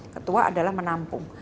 ketua adalah menampung